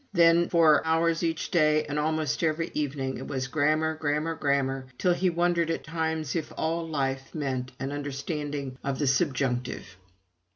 Then, for, hours each day and almost every evening, it was grammar, grammar, grammar, till he wondered at times if all life meant an understanding of the subjunctive.